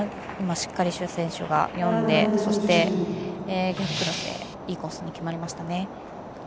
しっかり朱選手が読んでそして、逆クロスでいいコースに決まりました。